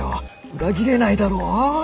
裏切れないだろ？